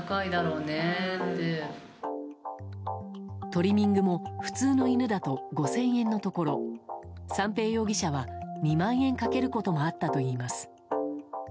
トリミングも普通の犬だと５０００円のところ三瓶容疑者は２万円かけることもあったといいます。